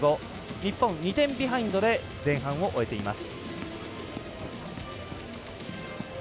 日本、２点ビハインドで前半を終えています。